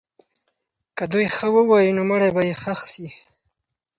که دوی ښه ووایي، نو مړی به یې ښخ سي.